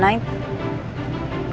mungkin setelah dari keabadan naik